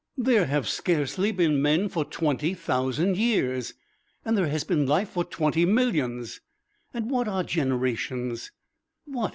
There have scarcely been men for twenty thousand years and there has been life for twenty millions. And what are generations?